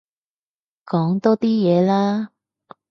講多啲嘢啦